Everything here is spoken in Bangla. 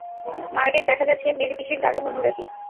মার্গট দেখা যাচ্ছে মেরী-পিসীর দারুণ অনুরাগী।